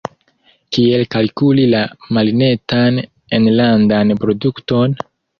Kiel kalkuli la malnetan enlandan produkton?